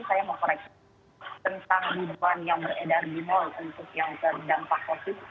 saya mau koreksi tentang biduan yang beredar di mal untuk yang terdampak covid